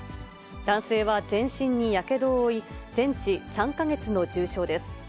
男性は全身にやけどを負い、全治３か月の重傷です。